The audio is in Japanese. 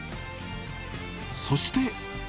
そして。